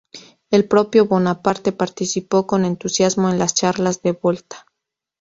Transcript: El propio Bonaparte participó con entusiasmo en las charlas de Volta.